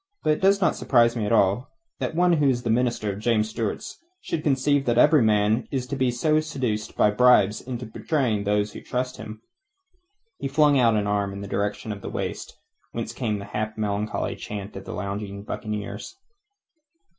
But it does not surprise me at all that one who is a minister of James Stuart's should conceive that every man is to be seduced by bribes into betraying those who trust him." He flung out an arm in the direction of the waist, whence came the half melancholy chant of the lounging buccaneers.